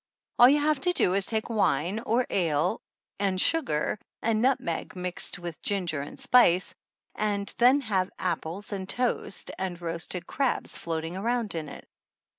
All you have to do is to take wine, or ale, and sugar and nutmeg, mixed with ginger and spice, then have apples and toast and roasted crabs floating around in it.